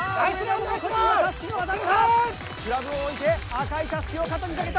クラブを置いて赤いタスキを肩にかけた。